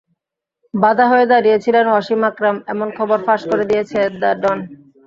বাধা হয়ে দাঁড়িয়েছিলেন ওয়াসিম আকরাম, এমন খবর ফাঁস করে দিয়েছে দ্য ডন।